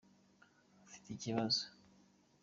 ufite ikibazo